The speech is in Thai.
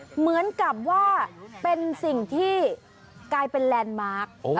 เหมือนกับว่าเป็นสิ่งที่กลายเป็นแลนด์มาร์ค